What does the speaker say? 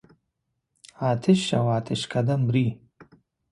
آتش او آتشکده مري.